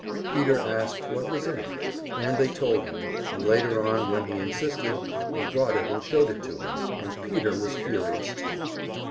Peter asked what was in it, and they told him, and later on when he insisted, they brought it and showed it to him, and Peter was furious too.